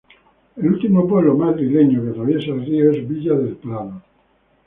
El último pueblo madrileño que atraviesa el río es Villa del Prado.